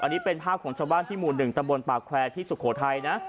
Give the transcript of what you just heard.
อันนี้เป็นภาพของชาวบ้านที่หมู่๑ตำบลปากแควร์ที่สุโขทัยนะ